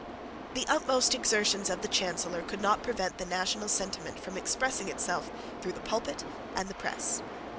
The utmost exertions of the Chancellor could not prevent the national sentiment from expressing itself through the pulpit and the press.